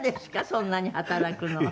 そんなに働くのは」